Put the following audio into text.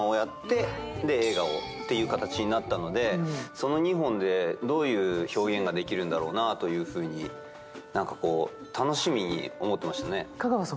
その２本でどういう表現ができるんだろうなというふうに楽しみに思っていましたね。